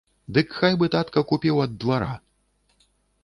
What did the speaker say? Дык хай бы татка купіў ад двара.